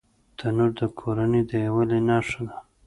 تنور د کورنۍ د یووالي نښه ده